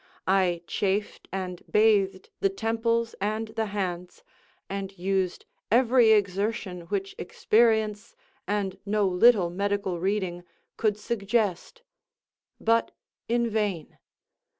I chafed and bathed the temples and the hands, and used every exertion which experience, and no little medical reading, could suggest. But in vain.